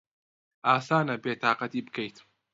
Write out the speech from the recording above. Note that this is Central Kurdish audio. ئاسانە بێتاقەتی بکەیت.